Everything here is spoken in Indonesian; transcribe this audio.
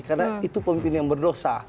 karena itu pemimpin yang berdosa